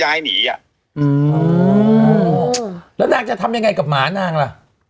อ่ะหลายสวัสดีค่ะคุณหนุ่ม